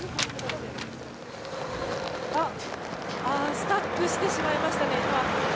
スタックしてしまいましたね。